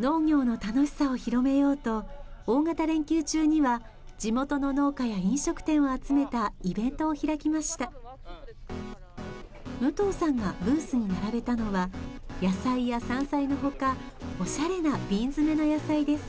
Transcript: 農業の楽しさを広めようと大型連休中には地元の農家や飲食店を集めたイベントを開きました武藤さんがブースに並べたのは野菜や山菜のほかおしゃれな瓶詰の野菜です